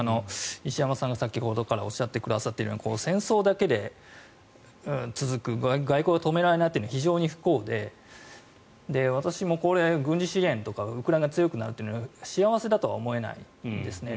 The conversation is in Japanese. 石山さんが先ほどからおっしゃってくれた戦争だけで続く外交で止められないというのは非常に不幸で私もこれ、軍事支援とかウクライナ側が強くなるのは幸せだとは思えないですね。